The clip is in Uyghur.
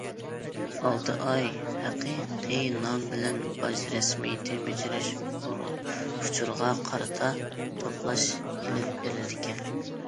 ئالتە ئاي ھەقىقىي نام بىلەن باج رەسمىيىتى بېجىرىش ئۇچۇرىغا قارىتا توپلاش ئېلىپ بېرىلىدىكەن.